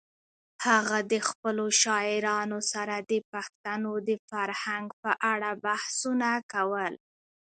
هغه د خپلو شاعرانو سره د پښتنو د فرهنګ په اړه بحثونه کول.